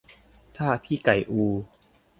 ถ้าพี่ไก่อู